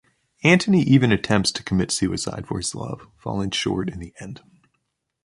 Antony even attempts to commit suicide for his love, falling short in the end.